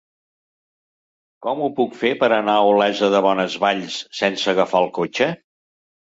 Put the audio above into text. Com ho puc fer per anar a Olesa de Bonesvalls sense agafar el cotxe?